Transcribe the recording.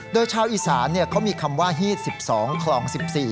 โดยชาวอีสานเขามีคำว่าฮีด๑๒คลอง๑๔